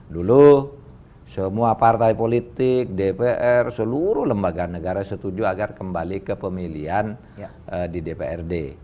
dulu semua partai politik dpr seluruh lembaga negara setuju agar kembali ke pemilihan di dprd